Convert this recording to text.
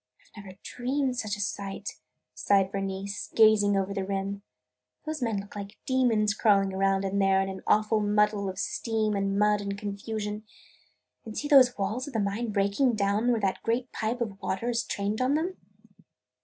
"I never dreamed of such a sight!" sighed Bernice, gazing over the rim. "Those men look like demons crawling around there in that awful muddle of steam and mud and confusion! And see those walls of the mine breaking down where that great pipe of water is trained on them!"